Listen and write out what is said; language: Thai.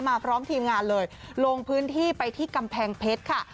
พร้อมทีมงานเลยลงพื้นที่ไปที่กำแพงเพชรค่ะ